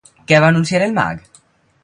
Què va anunciar el mag?